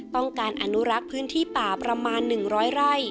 ต้องการอนุรักษ์พื้นที่ป่าประมาณ๑๐๐ไร่